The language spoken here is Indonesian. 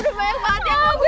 udah banyak banget yang ngehujat